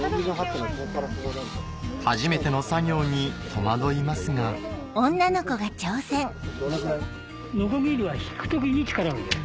初めての作業に戸惑いますがノコギリは引く時に力を入れる。